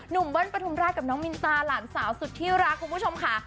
เบิ้ลปฐุมราชกับน้องมินตาหลานสาวสุดที่รักคุณผู้ชมค่ะ